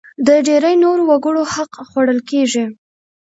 د ډېری نورو وګړو حق خوړل کېږي.